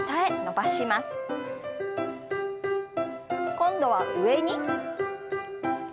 今度は上に。